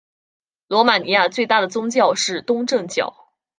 罗马尼亚最大的宗教是东正教。